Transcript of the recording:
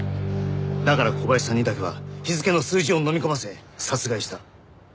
だから小林さんにだけは日付の数字を飲み込ませ殺害した。